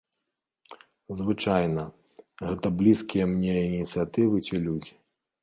Звычайна, гэта блізкія мне ініцыятывы ці людзі.